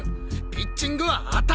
ピッチングは頭！